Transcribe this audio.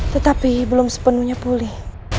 tetapi belum sepenuhnya pulih